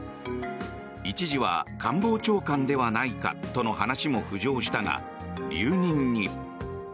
一時は官房長官ではないかとの話も浮上したが、留任に。